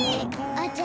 あちゃ